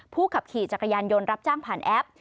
ขับขี่จักรยานยนต์รับจ้างผ่านแอป